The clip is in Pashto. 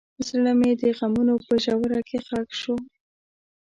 زړه مې د غمونو په ژوره کې ښخ شو.